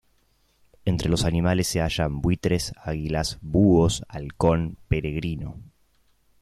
Entre los animales se hallan: buitres, águilas, búhos, halcón peregrino.